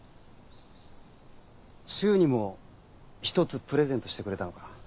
柊にも１つプレゼントしてくれたのか？